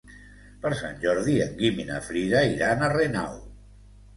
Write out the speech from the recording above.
Per Sant Jordi en Guim i na Frida iran a Renau.